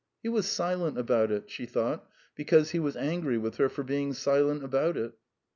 He was silent about it, she thought, because he was angry with her for being silent about it.